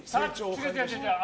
違う、違う。